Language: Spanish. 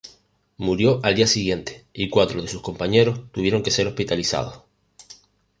Murió al día siguiente y cuatro de sus compañeros tuvieron que ser hospitalizados.